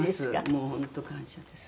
もう本当感謝です。